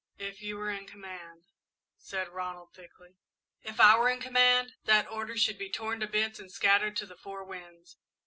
"If you were in command " said Ronald, thickly. "If I were in command, that order should be torn to bits and scattered to the four winds.